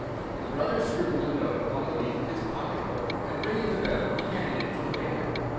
The brother scribbled a note upon a leaf of his pocket book, and, ringing the bell, he handed it to the waiter.